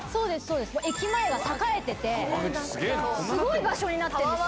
駅前が栄えててすごい場所になってるんですよ。